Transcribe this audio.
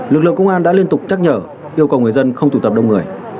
lực lượng công an đã liên tục nhắc nhở yêu cầu người dân không tụ tập đông người